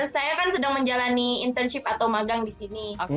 saya kan sedang menjalani internship atau magang di sini